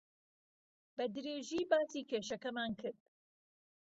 بەدرێژی باسی کێشەکەمان کرد.